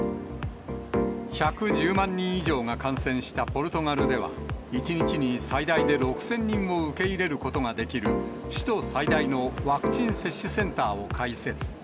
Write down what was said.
１１０万人以上が感染したポルトガルでは、１日に最大で６０００人を受け入れることができる、首都最大のワクチン接種センターを開設。